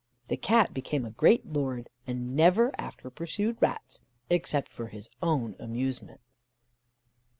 The Cat became a great lord, and never after pursued rats, except for his own amusement.